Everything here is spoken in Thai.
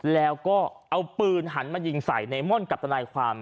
แล้วก็เอาปืนหันมายิงใส่ในม่อนกับทนายความ